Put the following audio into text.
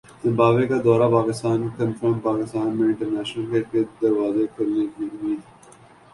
Zimbabwe کا دورہ Pakistan confirm Pakistan میں انٹرنیشنل کرکٹ کے دروازے کھلنے کی امید